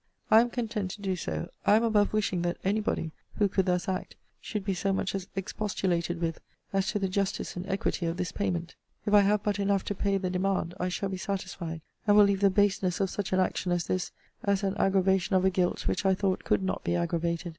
I am content to do so I am above wishing that any body, who could thus act, should be so much as expostulated with, as to the justice and equity of this payment. If I have but enough to pay the demand, I shall be satisfied; and will leave the baseness of such an action as this, as an aggravation of a guilt which I thought could not be aggravated.